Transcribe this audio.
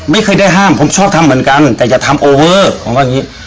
ไม่เคยได้ห้ามผมชอบทำเหมือนกันแต่อย่าทำโอเวอร์ผมว่าอย่างงี้